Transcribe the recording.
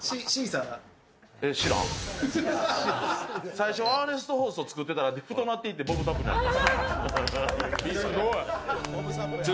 最初、アーネスト・ホースト作ってたら、太くなってってボブ・サップになった。